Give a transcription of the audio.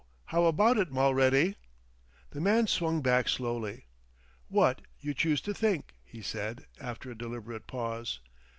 How about it, Mulready?" The man swung back slowly. "What you choose to think," he said after a deliberate pause.